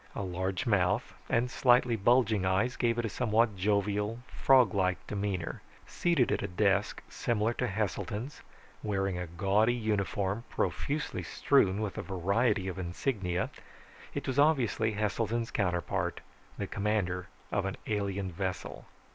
A large mouth and slightly bulging eyes gave it a somewhat jovial, frog like demeanor. Seated at a desk similar to Heselton's, wearing a gaudy uniform profusely strewn with a variety of insignia, it was obviously Heselton's counterpart, the commander of an alien vessel.